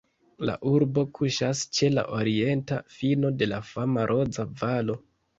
La urbo kuŝas ĉe la orienta fino de la fama Roza Valo.